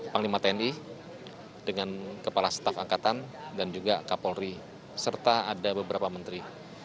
panglima tni dengan kepala staf angkatan dan juga kapolri serta ada beberapa menteri